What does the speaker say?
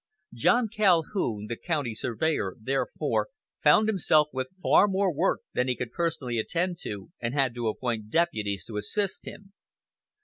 John Calhoun, the county surveyor, therefore, found himself with far more work than he could personally attend to, and had to appoint deputies to assist him.